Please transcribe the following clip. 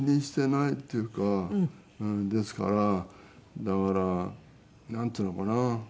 ですからだからなんていうのかな。